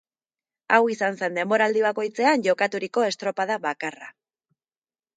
Hau izan zen denboraldi bakoitzean jokaturiko estropada bakarra.